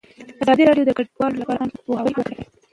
ازادي راډیو د کډوال لپاره عامه پوهاوي لوړ کړی.